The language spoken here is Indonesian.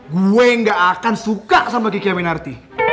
gue gak akan suka sama kiki aminarti